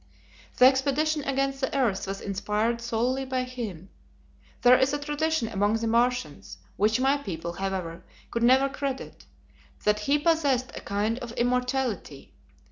"The expedition against the earth was inspired solely by him. There is a tradition among the Martians which my people, however, could never credit that he possessed a kind of immortality.